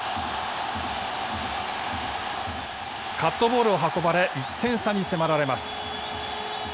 カットボールを運ばれ１点差に迫られます。